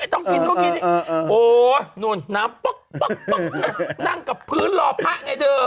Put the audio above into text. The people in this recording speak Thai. ไม่ว่าต้องกินก็กินโห้น้ำปุ๊กนั่งกับพื้นหล่อพะไงเถอะ